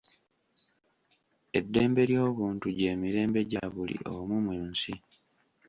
Eddembe ly'obuntu gy'emirembe gya buli omu mu nsi.